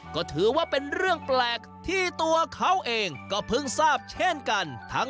ก็ถือว่าเป็นเรื่องแปลกที่ตัวเขาเองก็เพิ่งทราบเช่นกัน